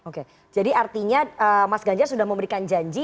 oke jadi artinya mas ganjar sudah memberikan janji